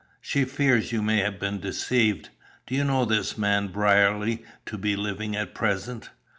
She fears you may have been deceived. Do you know this man Brierly to be living at present?"